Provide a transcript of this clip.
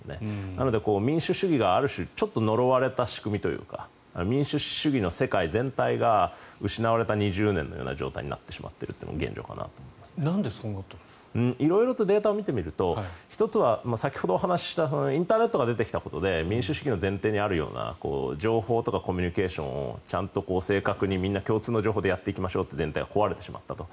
なので、民主主義がある種ちょっと呪われた仕組みというか民主主義国家の全体が失われた２０年のような状態になってしまっているのがなんで色々データを見てみると先ほどお話したインターネットが出てきたことで民主主義の前提にあるような情報とかコミュニケーションをちゃんと正確に共通の情報でやっていきましょうという前提が壊れてしまったと。